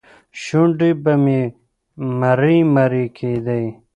شونډې به مې مرۍ مرۍ کېدې.